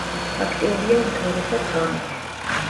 აქტიურია უმთავრესად ღამით.